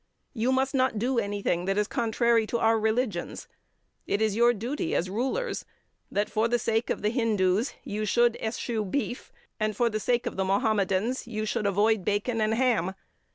You must not do anything that is contrary to our religions. It is your duty as rulers that, for the sake of the Hindus, you should eschew beef, and for the sake of the Mahomedans, you should avoid bacon and ham.